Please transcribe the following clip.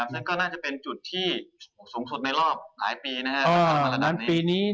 ซึ่งก็น่าจะเป็นจุดที่สูงสุดในรอบหลายปีนี้